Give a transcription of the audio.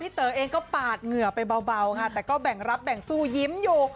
เต๋อเองก็ปาดเหงื่อไปเบาค่ะแต่ก็แบ่งรับแบ่งสู้ยิ้มอยู่